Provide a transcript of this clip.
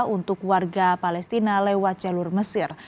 untuk warga palestina lewat jalur mesir